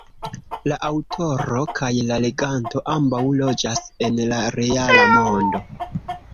La aŭtoro kaj la leganto ambaŭ loĝas en la reala mondo.